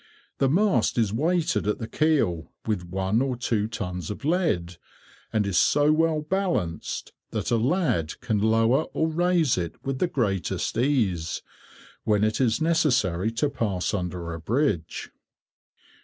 The mast is weighted at the keel with one or two tons of lead, and is so well balanced that a lad can lower or raise it with the greatest ease, when it is necessary to pass under a bridge.